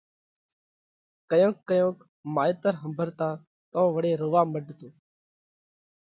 ڪيونڪ ڪيونڪ مائيتر ۿمڀرتا تو وۯي رووا مڏتو